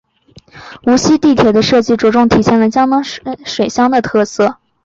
无锡地铁的设计着重体现了江南水乡的特色。